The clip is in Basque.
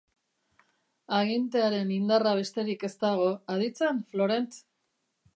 Agintearen indarra besterik ez dago, aditzen, Florent?